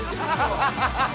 ハハハハ！